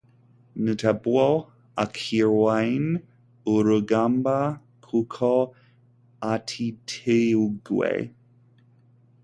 Ntabwo akirwanye urugamba kuko atiteguye